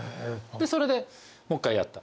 でそれでもう一回やった。